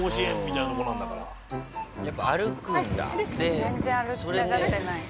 全然歩きたがってない。